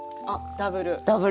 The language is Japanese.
ダブル。